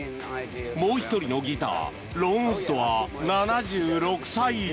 もう１人のギターロン・ウッドは７６歳。